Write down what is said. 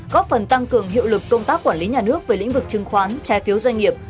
góp phần tăng cường hiệu lực công tác quản lý nhà nước về lĩnh vực chứng khoán trái phiếu doanh nghiệp